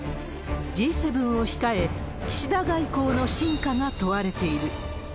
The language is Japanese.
Ｇ７を控え、岸田外交の真価が問われている。